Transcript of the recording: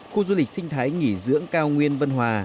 khu du lịch sinh thái nghỉ dưỡng cao nguyên vân hòa